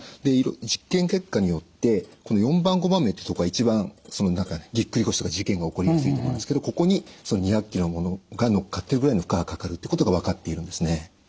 実験結果によってこの４番５番目ってとこが一番その中でぎっくり腰とか事件が起こりやすいとこなんですけどここに２００ｋｇの物がのっかってるぐらいの負荷がかかるってことが分かっているんですね。